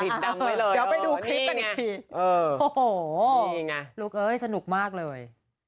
เดี๋ยวไปดูคลิปกันอีกทีโอ้โหนี่ไงลูกเอ้ยสนุกมากเลย